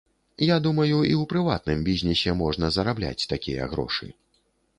Я думаю, і ў прыватным бізнэсе можна зарабляць такія грошы.